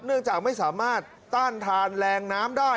เนื่องจากไม่สามารถต้านทานแรงน้ำได้